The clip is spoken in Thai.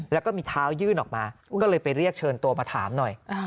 แล้วก็มีเท้ายื่นออกมาก็เลยไปเรียกเชิญตัวมาถามหน่อย